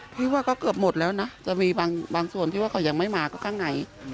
พี่ว่าก็เกือบหมดแล้วนะจะมีบางส่วนที่ว่าเขายังไม่มาก็ข้างใน